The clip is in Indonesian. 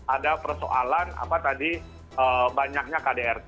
ada persoalan apa tadi banyaknya kdrt